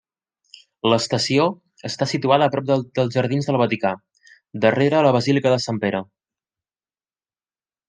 L'estació està situada prop dels Jardins del Vaticà, darrere la basílica de Sant Pere.